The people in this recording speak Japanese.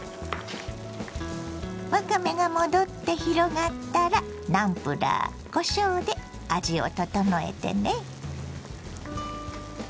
わかめが戻って広がったらナムプラーこしょうで味を調えてね。